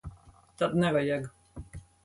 Tad nevajag.